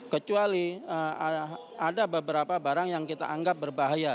kecuali ada beberapa barang yang kita anggap berbahaya